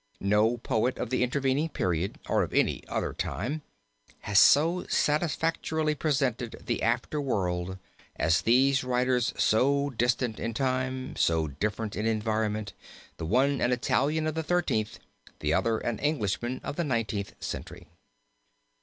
No poet of the intervening period, or of any other time, has so satisfactorily presented the after world as these writers so distant in time, so different in environment, the one an Italian of the Thirteenth, the other an Englishman of the Nineteenth Century.